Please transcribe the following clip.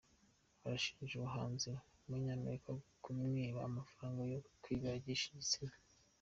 Arashinja umuhanzi wumunyamerica kumwiba amafaranga yo kwibagisha igitsina